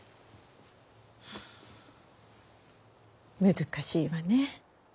難しいわね